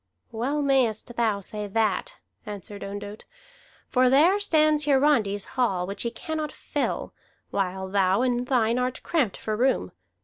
"Well mayest thou say that," answered Ondott, "for there stands Hiarandi's hall, which he cannot fill, while thou in thine art cramped for room.